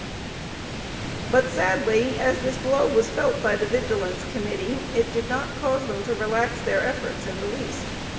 But sadly as this blow was felt by the Vigilance Committee, it did not cause them to relax their efforts in the least.